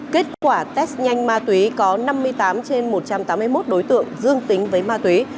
kết quả test nhanh ma túy có năm mươi tám trên một trăm tám mươi một đối tượng dương tính với ma túy